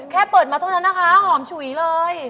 แค่เปิดมาเท่านั้นนะคะหอมฉุยเลย